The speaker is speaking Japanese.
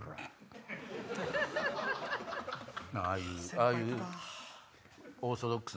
ああいう。